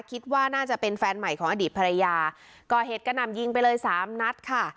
คิดว่าน่าจะเป็นแฟนใหม่ของอดีตภรรยาก่อเหตุกระหน่ำยิงไปเลยสามนัดค่ะ